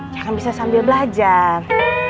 jangan bisa sambil belajar